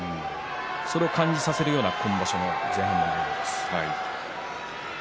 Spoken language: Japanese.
それを感じさせるような今場所の前半です。